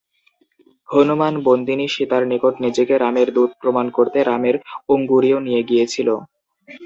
হনুমান বন্দিনী সীতার নিকট নিজেকে রামের দূত প্রমাণ করতে রামের অঙ্গুরীয় নিয়ে গিয়েছিল।